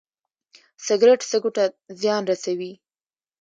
سګرټ سږو ته زیان رسوي